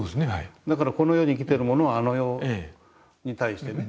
だからこの世に生きてるものはあの世に対してね。